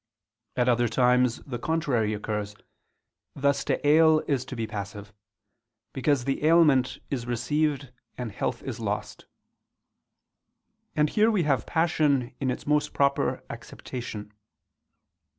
At other times the contrary occurs: thus to ail is to be passive; because the ailment is received and health is lost. And here we have passion in its most proper acceptation.